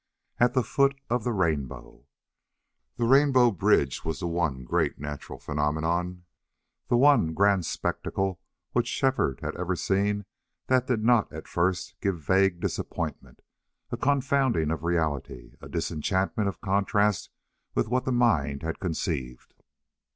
AT THE FOOT OF THE RAINBOW The rainbow bridge was the one great natural phenomenon, the one grand spectacle, which Shefford had ever seen that did not at first give vague disappointment, a confounding of reality, a disenchantment of contrast with what the mind had conceived.